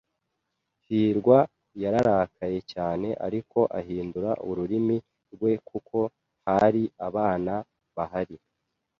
hirwa yararakaye cyane ariko ahindura ururimi rwe kuko hari abana bahari.